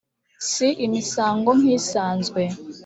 si imisango nk’isanzwe